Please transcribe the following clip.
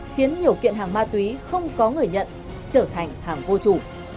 khiến nhiều kiện hàng ma túy không có người nhận trở thành hàng vô chủ